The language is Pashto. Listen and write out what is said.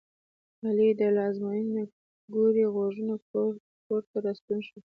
علي له ازموینې نه کوړی غوږونه کورته راستون شو.